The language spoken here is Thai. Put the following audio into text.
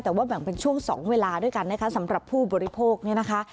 แต่ว่าแบ่งเป็นช่วง๒เวลาด้วยกันนะคะสำหรับผู้บริโภคเนี่ยนะคะ